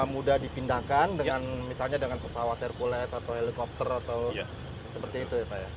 mudah dipindahkan dengan misalnya dengan pesawat hercules atau helikopter atau seperti itu ya pak ya